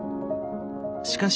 しかし。